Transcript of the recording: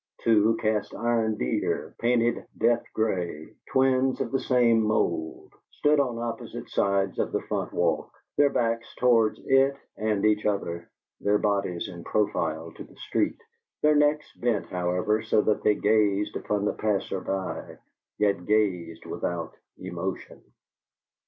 Two cast iron deer, painted death gray, twins of the same mould, stood on opposite sides of the front walk, their backs towards it and each other, their bodies in profile to the street, their necks bent, however, so that they gazed upon the passer by yet gazed without emotion.